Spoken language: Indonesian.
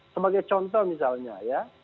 sebagai contoh misalnya ya